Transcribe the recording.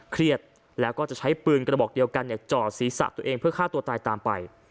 เครียดแล้วก็จะใช้ปืนกระบอกเดียวกันจ่อศีรษะตัวเองเพื่อฆ่าตัวตายตามไป